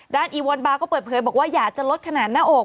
อีวอนบาร์ก็เปิดเผยบอกว่าอยากจะลดขนาดหน้าอก